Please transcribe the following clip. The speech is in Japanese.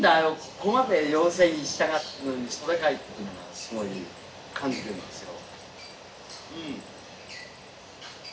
ここまで要請に従ったのにそれかい」っていうのはすごい感じてますよ。